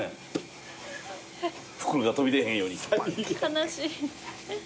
悲しい。